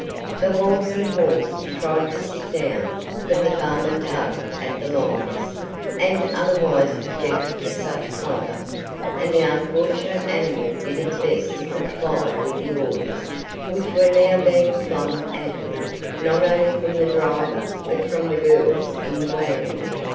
The "waltzing horse" tried to sit down, but the farmer tugged at the lines, and otherwise objected to such conduct, and the unfortunate animal did its best to comply with the orders, which were now being flung at him, not only from the driver but from the girls in the wagon.